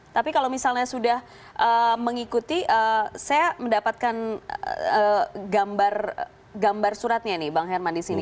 tapi kalau misalnya sudah mengikuti saya mendapatkan gambar suratnya nih bang herman di sini